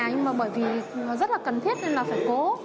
nhưng mà bởi vì nó rất là cần thiết nên là phải cố